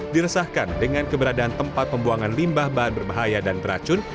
diresahkan dengan keberadaan tempat pembuangan limbah bahan berbahaya dan beracun